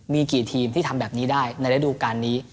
มีกี่ทีมที่ทำแบบนี้ได้ในระดูการนี้